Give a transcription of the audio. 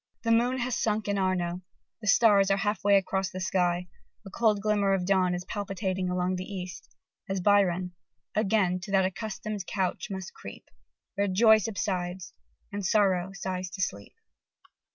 The moon has sunk in Arno: the stars are half way across the sky: a cold glimmer of dawn is palpitating along the East, as Byron "Again to that accustom'd couch must creep Where joy subsides, and sorrow sighs to sleep."